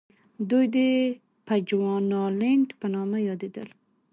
دوی د بچوانالنډ په نامه یادېدل.